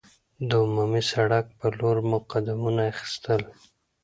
د عمومي سړک پر لور مو قدمونه اخیستل.